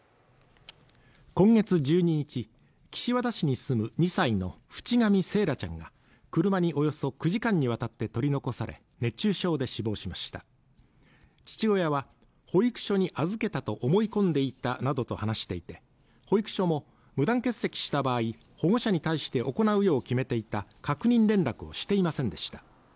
今月１２日岸和田市に住む２歳の渕上惺愛ちゃんが車におよそ９時間にわたって取り残され熱中症で死亡しました父親は保育所に預けたと思い込んでいたなどと話していて保育所も無断欠席した場合保護者に対して行うよう決めていた確認連絡をしていませんでした